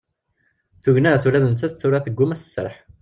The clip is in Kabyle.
Tugna-s ula d nettat tura tegguma ad as-tesserḥ.